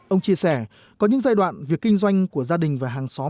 ông chia sẻ có những giai đoạn việc kinh doanh của gia đình và hàng xóm